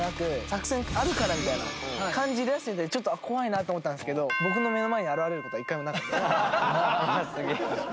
作戦あるからみたいな感じ出してきてちょっと怖いなと思ったんですけど僕の目の前に現れる事は一回もなかったです。